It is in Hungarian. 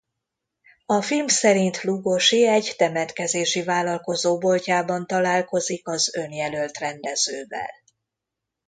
A film szerint Lugosi egy temetkezési vállalkozó boltjában találkozik az önjelölt rendezővel.